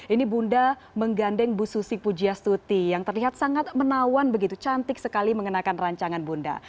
ini bunda menggandeng bu susi pujiastuti yang terlihat sangat menawan begitu cantik sekali mengenakan rancangan bunda